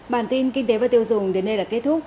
bản tin kinh tế và tiêu dùng đến đây là kết thúc